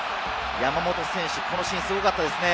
山本選手、このシーンすごかったですね。